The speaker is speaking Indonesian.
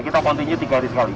kita continue tiga hari sekali